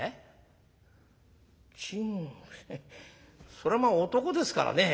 そりゃまあ男ですからね